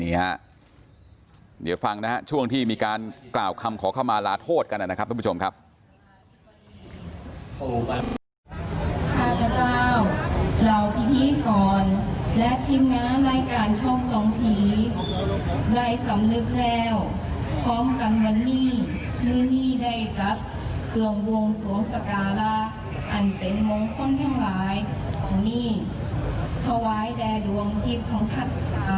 เดี๋ยวฟังนะฮะช่วงที่มีการกล่าวคำขอเข้ามาลาโทษกันนะครับทุกผู้ชมครับ